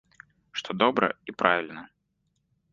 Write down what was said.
Што добра і правільна.